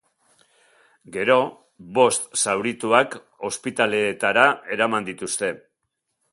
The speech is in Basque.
Gero, bost zaurituak ospitaleetara eraman dituzte.